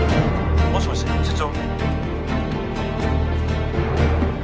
☎もしもし社長？